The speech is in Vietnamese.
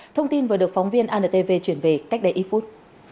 thông tin vừa được phóng viên antv chuyển về cách đây ít phút